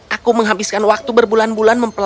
aku menghabiskan waktu berbulan bulan